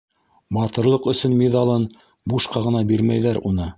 «Батырлыҡ өсөн» миҙалын бушҡа ғына бирмәйҙәр уны.